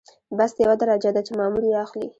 بست یوه درجه ده چې مامور یې اخلي.